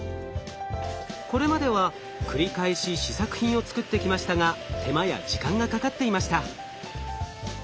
これまでは繰り返し試作品を作ってきましたが手間や時間がかかっていました。